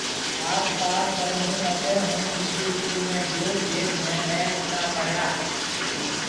اَٺ پاس ڪرڻ هُون پڇي هون ٻِيجِي اسڪول ۾ گيو جٿ مهيَ ڏهيَ ڪتاب پڙهيَا